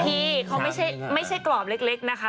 ที่เขาไม่ใช่กรอบเล็กนะคะ